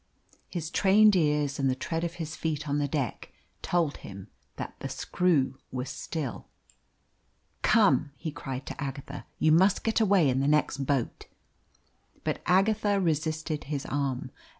His trained ears and the tread of his feet on the deck told him that the screw was still. "Come," he cried to Agatha, "you must get away in the next boat." But Agatha resisted his arm.